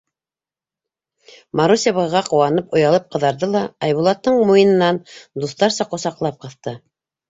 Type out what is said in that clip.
Маруся быға ҡыуанып, оялып ҡыҙарҙы ла Айбулаттың муйынынан дуҫтарса ҡосаҡлап ҡыҫты: